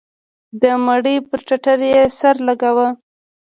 د مړي پر ټټر يې سر لگاوه.